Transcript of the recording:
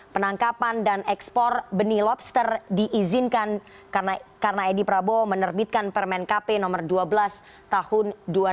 penangkapan dan ekspor benih lobster diizinkan karena edi prabowo menerbitkan permen kp nomor dua belas tahun dua ribu dua puluh